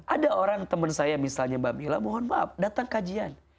ada orang teman saya misalnya mbak mila mohon maaf datang kajian